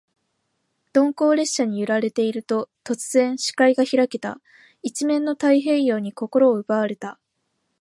鈍行列車に揺られていると、突然、視界が開けた。一面の太平洋に心を奪われた。